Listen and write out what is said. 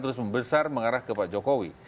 terus membesar mengarah ke pak jokowi